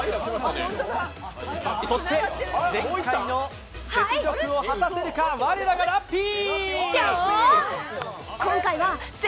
前回の雪辱を果たせるか、我らがラッピー！